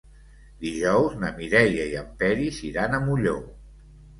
Dijous na Mireia i en Peris iran a Molló.